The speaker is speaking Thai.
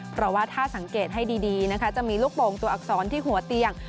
เพราะว่าถ้าสังเกตให้ดีนะคะจะมีลูกโป่งตัวอักษรที่หัวเตียง